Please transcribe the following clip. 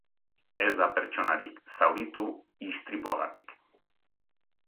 Ez da pertsonarik zauritu istripuagatik.